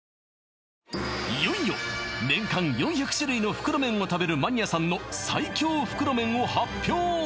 いよいよ年間４００種類の袋麺を食べるマニアさんの最強袋麺を発表